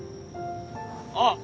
あっ！